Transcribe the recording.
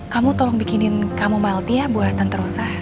kamu tolong bikinin kamu maltia buat tante rosa